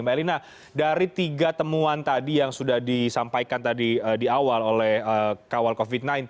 mbak elina dari tiga temuan tadi yang sudah disampaikan tadi di awal oleh kawal covid sembilan belas